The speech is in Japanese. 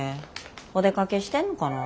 お出かけしてんのかな。